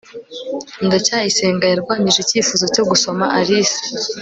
ndacyayisenga yarwanyije icyifuzo cyo gusoma alice